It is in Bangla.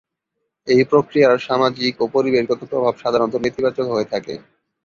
এই প্রক্রিয়ার সামাজিক ও পরিবেশগত প্রভাব সাধারণত নেতিবাচক হয়ে থাকে।